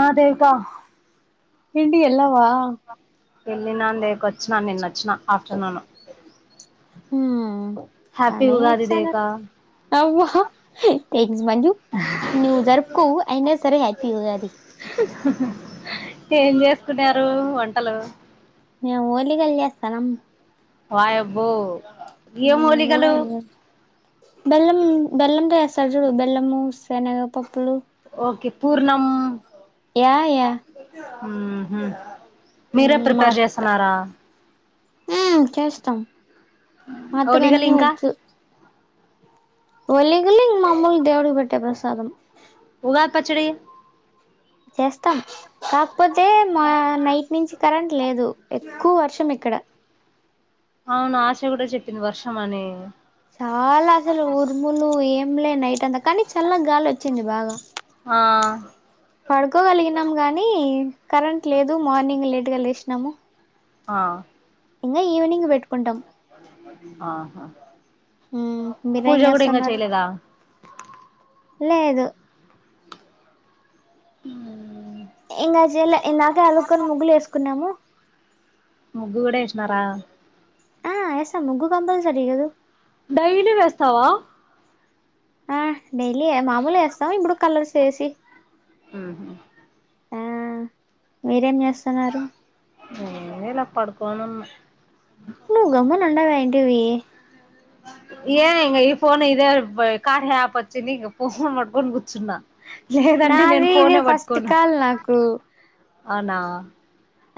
ఆ దేవిక ఇంటి కెల్ల వా వెళ్ళిన అ దగకు వచ్చినా నిన్న వచ్చినా ఆఫ్టర్నూన్ హ హ్యాపీ అన్నమే ఉగాది చేస్తానా దేవిక అవ్వ ఎ్సమల్లి జరుకు అయి సరే హ్యాపీ ఉగాది ఏం చేసుకున్నారు వంటలు మేము ఓలిగలు చేస్తనం వాయబ్బో ఏం ఉమ్ మూలికలు [inaudible] బెల్లం బెల్లంతే సజు బెల్లము శనగపప్పు ఓకే పూర్ణం యా యా [unintelligible] ఉహు మీరే హ్మ్ ప్రిపేర్ చేస్తన్నారా ఉ చేస్తాం ఓలిగలు మాతగాన్నీ ఇంకా వచ్చు ఒలిగాలు ఇంగ మామూలు దేవుడికి పెటే ప్రసాదం ఉగాది పచ్చడి చేస్తాం కాకపోతే మా నైట్ నుంచి కరెంట్ లేదు ఎక్కువ వర్షం ఇక్కడ అవున ఆశ కూడా చెప్పింది వర్షం అని చాలా అసలు ఊర్ములు ఏ మ్లీ నైట్ అంత కానీ చల్ల గాలి వచ్చింది బాగా ఆ పడుకోగలిగినం గానీ కరెంట్ లేదు మార్నింగ్ లేట్గా లేసినాము ఆ ఇంకా ఈవినింగ్ పెట్టుకుంటాం ఆహా మ్మ్ మీరేం పూజ కూడా ఇంకా చేస్తున్నారు చెయలేదా లేదు ఉ ఇంకా చెలా ఇందాకా అలాకొని ముగ్గులు వేసుకున్నాము ముగ్గు కూడా వేసినారా ఆ వేసా ముగ్గ కంపల్సరీ కదు డైలీ వేస్తావా ఆ డైలీ ఏ మామూలుస్తాం ఇప్పుడు కలర్స్ వేసి ఆ ఆ మీరేం చేస్త వసన్నారు. బనానా నువ్వు గమ్మని ఉండవు ఏంటివి ఏన్ ఇం ఈ పోన్ ఇదే కార్ హ్యాప్ వచ్చంది ఇం ఫన్ మట్క కూర్చున్నా లేదంటే నేను నాది ఇది ఫోనే ఫస్ట్ పట్టుకోను కాల్ నాకు అవునా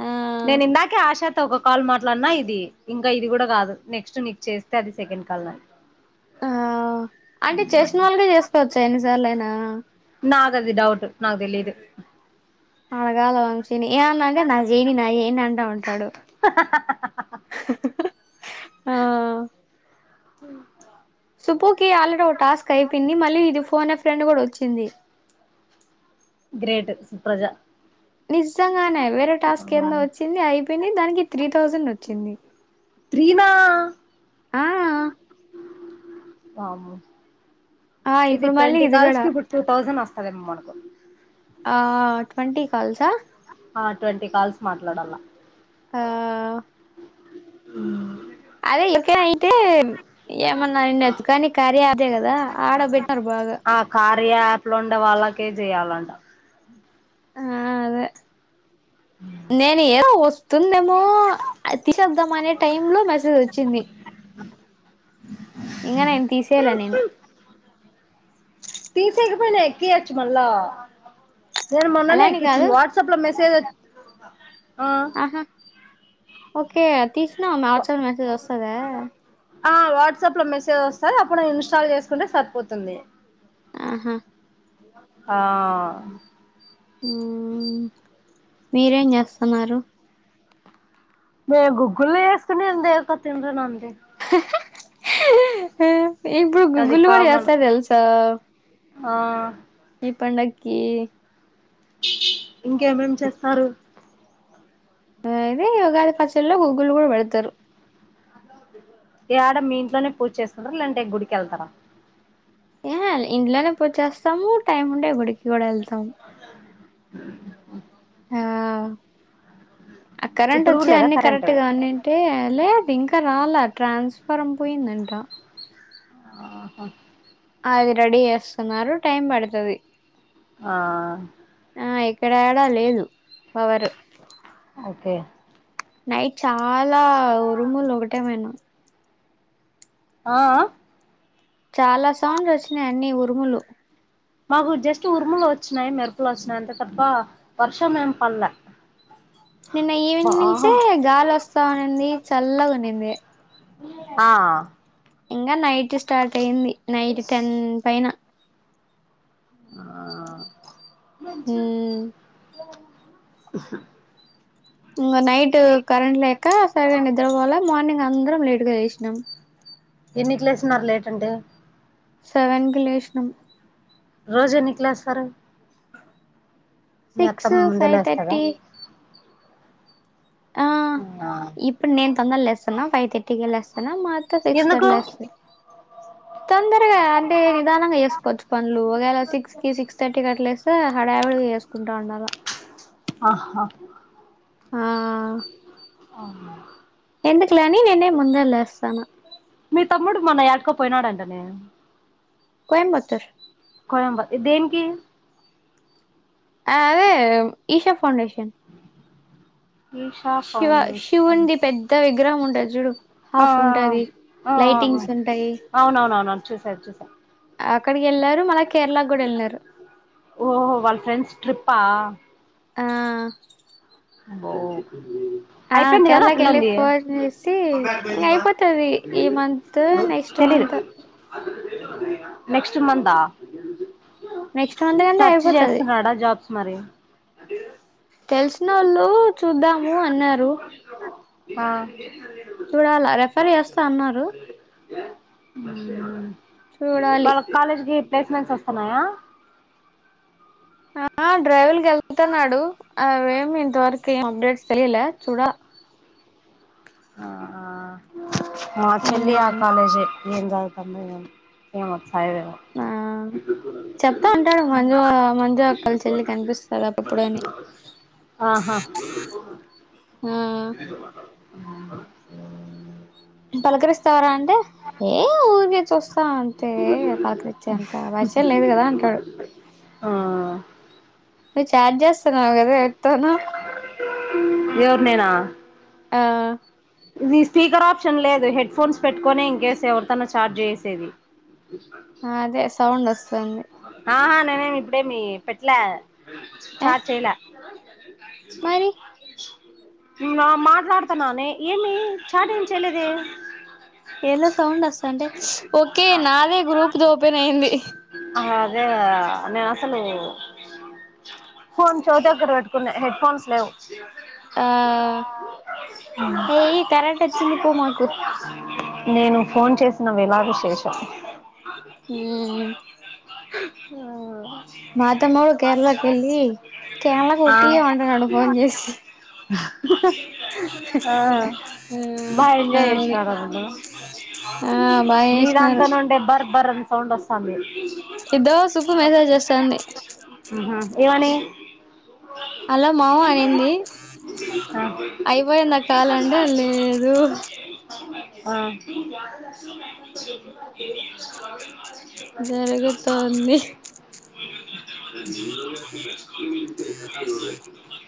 ఆ నేను ఇందాకే ఆశా ఒక కాల్ మాట్లాడినా ఇది ఇంకా ఇది కూడా కాదు నెక్స్ట్ నీకు చేస్తే అది సెకండ్ కాల్ నది ఆ అంటే చేసిన వాళ్ళక చేసుకోవచ్చా ఎన్నిసార్లయినా అది డౌట్ నాకు తెలీదు అడగాలవా వంశి ని ఏ అన్నా అంటే నావి చేని నావి చేని అంటే ఉంటాడు ఆ ఉంటా సుప్పూ కి ఆల్రెడీ ఒక టాస్క్ కై పోంది మళ్ళీ ఇది ఫోనే ఏ ఫ్రెండ్ కూడా వచ్చింది గ్రేట్ సుప్రజా నిజంగానే వేరే టాస్క్ ఎందో వచ్చింది అయిపోయింది దానికి త్రీ థౌజండ్ వచ్చింది ప్రీమా ఆ వామ్మో ఆ ఇది ఇప్పుడు మళ్ళీ ట్వంటీ కాల్స్ కూడా కి ఇప్పుడు టూ థౌసండ్ వస్తుదమ్ మనకు ఆ ట్వంటీ కాల్సా ఆ ట్వంటీ కాల్స్ మాట్లాడల్ల ఆ ఉమ్ అదే ఇక్కన అయితే ఏమన్నా నెత్తుకొని కార్యాదే కదా ఆడబెట్టినారు బాగా రీ యాప్ లు ఉండే వాళ్ళకే చేయాలంట ఆ అదే నేను ఏదో వస్తుందేమో అతిశబ్దం అనే టైమ్ లో మెసేజ్ వచ్చింది ఇంకా నేను తీసేయలా నేను తీసేకపోయినా ఎక్కియచు మళ్ళా నేను మొన్ననే అలాని కాదు ఎక్కించింది వాట్సప్ లో మే సేజ్ వ ఆహా ఓకే తీసినావ వాట్సాప్ మెసేజ్ వస్తదా సరే అప్పుడు ఇన్స్టాల్ చేసుకుంటే సరిపోతుంది ఆహా ఆ ఉమ్ మీరేం చేస్తున్నారు మే గుగ్గులు ఏసుకొని ఏరుకొని తింటున్నాను ఏ ఇప్పుడు గుగ్గులు గుడా కామన్ ఎస్తరు తెలుసా ఆ ఈ పండక్కి ఇంకేమేం చేస్తారు ఇదే ఉగాది పచ్చలో గుగ్గులు కూడా పెడతారు యాడ మీ ఇంట్లోనే పూజ చేస్తారా లేదంటే గుడికి ఏళ్తారా ఏ ఇంట్లోనే పోజ చేస్తాము టైం ఉంటే గుడికి కూడా వెళ్తాము ఆ ఆ కరెంట్ ఇప్పుడు కూడా వోచ్చి లేదా అన్ని కరెంట్ కరెక్టుగా ఉన్నింటే లేదు ఇంకా రాల ట్రాన్స్ఫరం పోయిందంట ఆహ ఆ అది రెడీ చేస్తున్నారు టైం పడుతుది ఆ ఆ ఇక్కడ యాడా లేదు పవరు ఓకే నై చాలా ఉరుములు ఒకటేమైనా ఆ ఆ చాలా సౌండ్స్ వచ్చినాయి అన్ని ఉరుములు మాకు జస్ట్ ఉరుములు వచ్చినాయి మెరుపులు వచ్చినాయి, అంతే తప్ప వర్షం ఏం పల్లె నిన్న బా ఈవెనింగ్ నుంచే గాలి వస్తావునుంది చల్లగు నువ్వే ఆ ఇంగ నైట్ ఇ స్టార్ట్ అయింది నైట్ టెన్ పైన ఆ మంచు మ్మ్ [unintelligible] ఇంగ్ నైట్ కరెంట్ లేక సరీగా నిద్రపోలే మార్నింగ్ అందరం లేట్ ఇప్పుడే లేసినమ్ ఎన్నిట్లేస్తున్నారు లేటంటే సెవెన్కి లేసినం రోజు ఎన్నిక్లేస్తారు సిక్స్, ఫైవ్ తర్టీ ఆ ఇప్పుడ్ నేను తొందర్ లెేస్తున్న ఫైవ్ తర్టీకే లెస్ ప్రణామాల్ త్త [unintelligible] ఎందుకు లేస్తాది తొందరగా అంటే నిదానంగా చేసుకోవచ్చు పనులు ఒకవేళ సిక్స్ కి సిక్స్ థర్టీకి అట్లాలేస్తే హడావిడిగా చేసుకుంటా ఉండాల ఆహ్హ ఆ అవునా ఎందుకులే అని నేనే ముందే లేస్తాను మీ తమ్ముడు మొన్న ఏడికోపోయినాడంటనే కోయంబత్తర్ కోయన్బ ఇదేనికి అదే ఈశా ఫౌండేషన్ ఈషా శివా ఫౌండేషన్ శివున్డి పెద్ద వి విగ్రామ్ ఉంటది చూడు ఆ హాఫ్ ఉంటది ఆఆ ఆ ఆ లైటింగ్స్ ఉంటాయి అవునవునవునుచూసాన్చూసాను ఆక్కవి ఎళ్ళారు మళ్ళ కేరళకు గూడా వెళ్లారు. పా ఆ అబ్బో ఆ అయిపోయింది కదా ఆ కేరళాకెళ్ళి పిల్లంది ఫోన్ చేసి ఇంగయిపోతది ఈ మంత్ నెక్స్ట్ తెలీదు మంతో, నెక్స్ట్ మంతా నెక్స్ట్ మంత్ కంటే సెర్చ్ అయిపోతది చేస్తున్నాడా జాబ్స్ మరి తెలిసినోళ్లు చూద్దాము అన్నారు ఆ చూడాలా రెఫర్ చేస్తా అన్నారు చూడాలి హుమ్ కాలేజ్ గి ప్లేస్మెంట్స్ వస్తన్నాయా ఆ డ్రైవుల్ కెళ్తున్నాడు అవేమి ఇంతవరకు ఏం అప్డేట్స్ తెలిలే చూడల హా మా చెల్లి వాళ ఉమ్ కాలేజే ఏం చదువుతాందో ఎమో ఆ చెప్తా అంటాడు మంజు మంజు అక్కల చెల్లి కనిపిస్తది అప్పుడప్పుడని ఆహా ఆ పలకరిస్తారా అంటే ఏ ఊరికే చూస్తా అంతే పలకరించేంత పరిచయం లేదు కదా అంటాడు ఆ నువ్వు చాట్ చేస్తున్నావ్ కదా ఎవరితోనో ఎవర్ నేనా ఆ ఇది స్పీకర్ ఆప్షన్ లేదు హెడ్ ఫోన్స్ పెట్టుకొని ఇంకేస్ ఎవర్తన్న చాట్ చేసేది అదే సౌండ్ వస్తుంది ఆహా నేనేమి ఇప్పుడేమి పెట్లా ఏ స్టార్ట్ చెయ్ లా మరి మాట్లాడతన్నా నే ఏమీ చాటింగ్ చెలేదే ఏందో సౌండ్ వస్తంటే ఓకే నాదే గ్రూప్ ది ఓపెన్ అయింది అదే నేను అసలు ఫోన్ చెవు దగ్గర పెట్టుకున్నా హెడ్ ఫోన్స్ లేవు ఆ ఏయ్ కరెంట్ వచ్చింది పో మాకు నేను ఫోన్ చేసిన వేళ వి హుమ్ ఆ మా తమ్ముడు కేరళ కెళ్ళీ కేరళ ఆ కుట్టీ అంటున్నాడు ఫోన్ చేసి [unintelligible] ఆ ఆ బాగా ఎంజాయ్ కామెడీ చేసినారు అంటా ఆ బాగా నీ చేసినారు దాంతో నుండే ఎబర్ బర్రె సౌండ్ వస్తా ఉంది ఈదో సుపు మెసేజ్ చేస్తాంది [inaudible] అలా మావ అనింది ఆ ఐవా [inaudible] ఆ జరుగుతోంది తె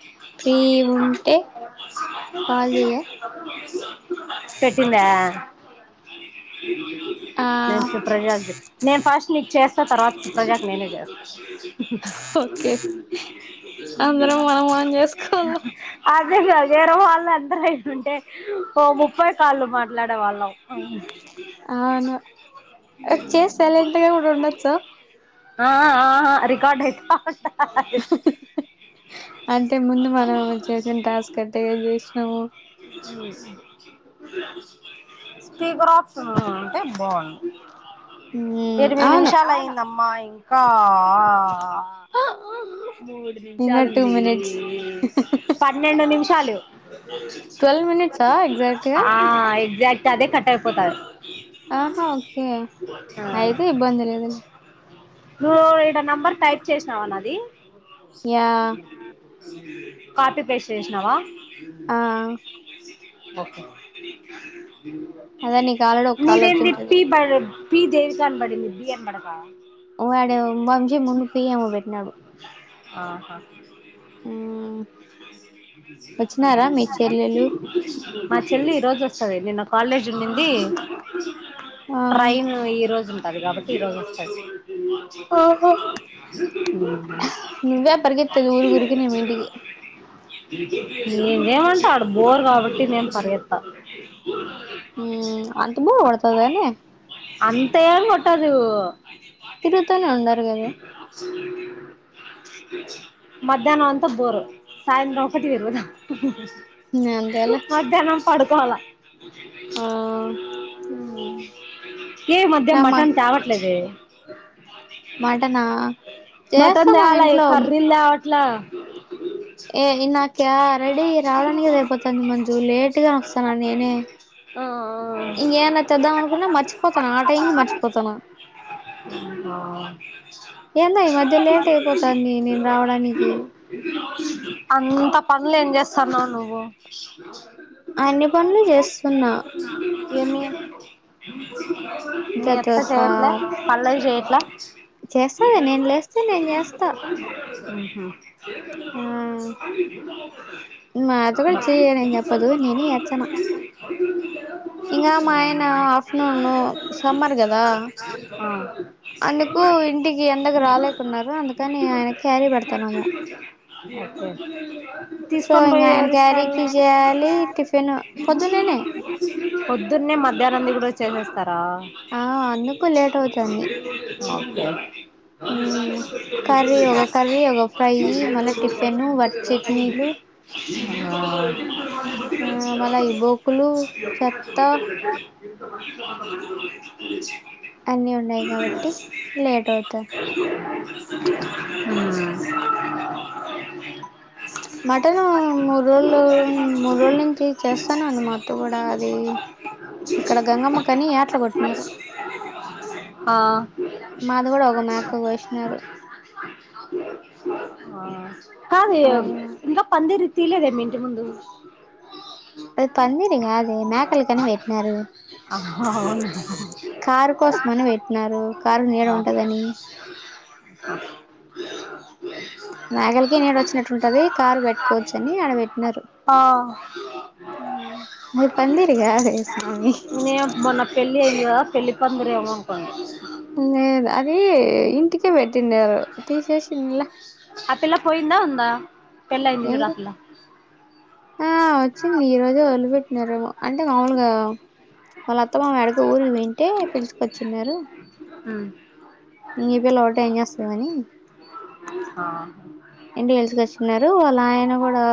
[inaudible] పీ ఉంటే కాల్ చెయ్య పెట్టిందా [inaudible] ఆ నేన్ ఫస్ట్ నీక్ చేస్ తర్వాత ప్రజాకి నేనే చేస్తా. ఓకే అందరం మనం ఆన్ చేసుకోల అదేగ ఏరెవాళ్ అందర అయి ఉంటే ఓ ముప్పై కాళ్ళు మాట్లాడే వాళ్ళం అవునా చేసాలంతగా కూడా ఉండొచ్చా ఆ ఆ రికార్డ్ అయిత ట్ హ్ హ్ అంటే ముందు మనం చేసిన టాస్క్ అట్టేగా చేసి నము స్పీకర్ ఆప్స్ ఉన్నా అంటే బాగుంది మ్మ్ ఎనిమిది అవును నిమిషాలు అయ్యింది అమ్మా ఇ ఆ ఆ మూడు ఇంకా టూ నిమిషాలుంది మినిట్స్ పన్నెండు నిమిషాలు ట్వెల్వ్ మినిట్సా ఎగ్జాక్ట్ గా ఆ ఎగ్జాక్ట్ అదే కట్ట్ అయిపోతాది. ఆహా ఓకే ఆ అయితే ఇబ్బంది లేదులే నువ్వు ఈడ నెంబర్ టైప్ చేసినవా నాది ఆ యా కాఫీ పేస్ట్ చేసినావా [inaudible] ఆ ఓకే అదే నీకు ఆల్రెడీ ఒక కాల్ మీరేం వచ్చింటది చెప్పి బరు పి దేవిక అనబడింది బి అనబడక వడోమో మంజీ ముంగు పియ్యమో పెట్టినాడు ఆహా ఆ మా చెల్లి ఈ రోజు వస్తది నిన్న కాలేజ్ ఉండింది ఆ ట్రైను ఈ రోజును అది కాబట్టి ఈ రోజు వచ్చింది ఓహో నువ్వే పరిగెత్తేది ఊరి ఊరికినే మీ హు ఇంటికి నేేమంటే ఆడ బోర్ కాబట్టి నేను పరిగెత్తా హు అంత బోర్ పడుతుదనే కాదు తిరుగుతనే ఉండ మధ్యాహ్నం అంతా బోరు సాయంత్రం ఒక్కటితి రుగుదాం ఇంక అంతేలే పడుకోవాలా ఆ [inaudible] ఏ మధ్య నా మటన్ తేవట్లేదే మటనా చేస్తాం మాఇంట్లో ఇట్లా ఏ నాక రెడీ రావడానికే సరిపోతుంది మంజు లేట్గానే వస్తాను నేనే ఆ ఇంకేమన్నా చేద్దాం అనుకున్నా మర్చిపోతాను ఆ టైం కి మర్చిపోతానా ఎందా ఈ మధ్య లేట్ అయిపోతాంది నేను రావడానికి అంత పనులు ఏం చేస్తాన్నావు నువ్వు అన్ని పనులు చేస్తున్నా ఎన్ని మీ అత్త జతోస చేయట్లే పనులవి చెయ్ ఎలా చేస్తాలే నేను లేస్తే నేను చేస్తా అహుఉ హు హు ఆ మా అత్త కూడా మ చేయనని చెప్పదు హవికులం ఇంగ మా ఆయన ఆఫ్టర్నూను సమ్మర్ కదా ఆ అందుకు ఇంటిక్ క్యారీ పెడతాన్నాము సో తీసుకొని ఇంగ పోయి ఆయన ఎవరిస్తారు క్యారీకి చేయాలి క్యారీ టిఫిన్ పొద్దున్ననే పొద్దున్నే మధ్యాహ్నుది కూడా హు చేస్తారు ఆ అందుకు లేట్ అవుతుంది ఆ ఆ కర్రీ ఒక కర్రీ ఒక ఫ్రై స మళ్ళా టిఫిన్ వాటి చట్నీలు ఆ ఆ మళ్ళ ఈ బోకులు ర చెత్త ఇచి అన్ని ఉన్నాయి కాబట్టి లేట్ అవుతు అంత ఆ మటన్ మూడు రోజులు మూడు రోజుల నుంచి చేస్తాను అంది మాత్త కూడా అది ఇక్కడ గంగమ్మ కని ఏట్లా కొట్టినారు. ఆ మాది కూడ ఒక మేక కోసినారు. ఆ కాదే ఆ ఇంకా పంది తిలేదే మీ ఇంటి ముందు అది పందిరి కాదే మేకలకని పెట్టినారు. అవునా కారు కోసమని పెట్టినారు. కారు నీడ కదని లేల మేగలికి నీడ వచ్చినట్టు ఉంటది. కారు పెట్టుకోవచ్చ అని ఆడ పెట్టినారు ఆ అది పందిరుగాదే స్వామి పందిరీ ఏమో అబ్బా లేదు అది ఇంటికే పెట్టిండారు తీసేసింలా ఆ పిల్ల పోయిందా ఉందా పెళ్ళి అయింది చూడు ఏంది ఆ పిల్ల ఆ వచ్చింది ఈ రోజు వదిలిపెట్టినారూ ఏమో అంటే మాములుగా వాళ్ళ అత్త మా ఎడక ఊరి వింటే పిలుచుకొచ్చిన్నారు. ఈ పిల్ల ఒకట ఏం చేస్తుందని [unintelligible] ఏంటి తెలిసుకొచ్చన్నారుారు వాళ్ళ ఆయన కూడా